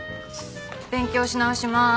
勉強し直しまーす。